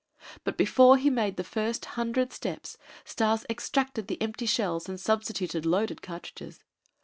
But before he made the first hundred steps, Stas extracted the empty shells and substituted loaded cartridges.